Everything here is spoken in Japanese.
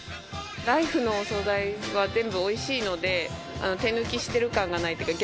ライフのお惣菜は全部おいしいので手抜きしてる感がないっていうか